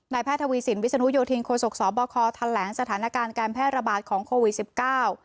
นายแพทย์ทวีสินวิสนุยธิงโคสกสอบครแถลงสถานการณ์แกรมแพทย์ระบาดของโควิดสิบเก้า